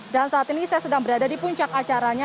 dan saat ini saya sedang berada di puncak acaranya